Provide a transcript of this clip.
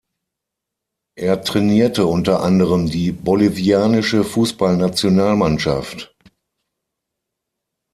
Er trainierte unter anderem die Bolivianische Fußballnationalmannschaft.